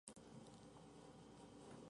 El pulso no se debe tomar con el dedo pulgar.